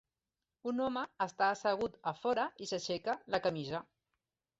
Un home està assegut a fora i s"aixeca la camisa.